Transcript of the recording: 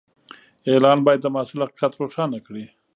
اعلان باید د محصول حقیقت روښانه کړي.